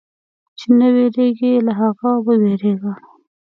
چې نه وېرېږي، له هغه وېرېږه.